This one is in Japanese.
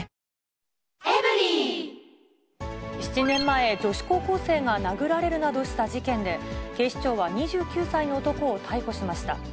７年前、女子高校生が殴られるなどした事件で、警視庁は２９歳の男を逮捕しました。